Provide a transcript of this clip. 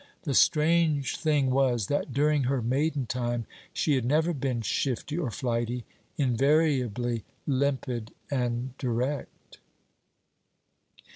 The strange thing was, that during her maiden time she had never been shifty or flighty, invariably limpid and direct.